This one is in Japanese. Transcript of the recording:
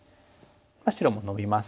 白もノビます。